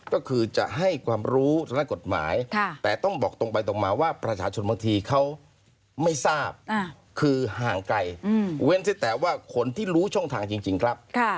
ก็คือจะให้ความรู้ทางด้านกฎหมายแต่ต้องบอกตรงไปตรงมาว่าประชาชนบางทีเขาไม่ทราบคือห่างไกลเว้นแต่ว่าคนที่รู้ช่องทางจริงครับ